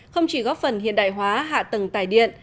không chỉ góp phần hiện đại hóa hạ tầng tài điện